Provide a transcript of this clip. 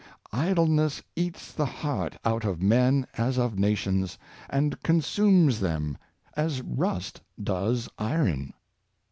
Idle ness eats the heart out of men as of nations, and con sumes them as rust does iron.